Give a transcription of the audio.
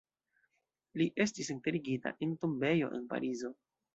Li estis enterigita en tombejo en Parizo.